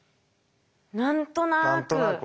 何となく。